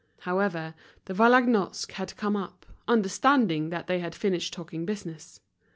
However, De Vallagnosc had come up, understanding that they had finished talking business.